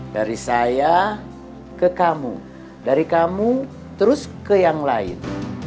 dari saya ke kamu dari kamu terus ke yang lain